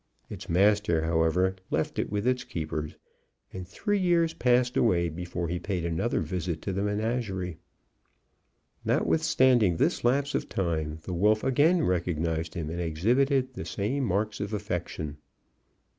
Its master, however, left it with its keepers, and three years passed away before he paid another visit to the menagerie. Notwithstanding this lapse of time, the wolf again recognized him, and exhibited the same marks of affection.